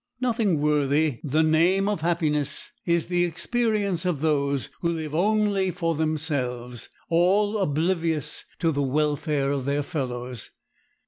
Nothing worthy the name of happiness is the experience of those who live only for themselves, all oblivious to the welfare of their fellows.